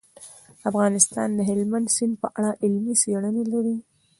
افغانستان د هلمند سیند په اړه علمي څېړنې لري.